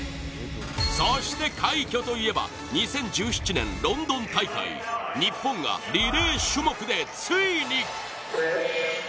そして、快挙といえば２０１７年、ロンドン大会日本がリレー種目でついに！